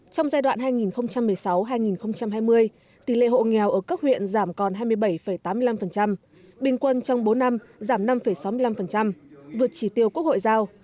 trong giai đoạn hai nghìn một mươi sáu hai nghìn hai mươi tỷ lệ hộ nghèo ở các huyện giảm còn hai mươi bảy tám mươi năm bình quân trong bốn năm giảm năm sáu mươi năm vượt chỉ tiêu quốc hội giao